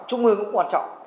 trung ương cũng quan trọng